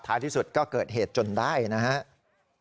ที่สุดก็เกิดเหตุจนได้นะครับ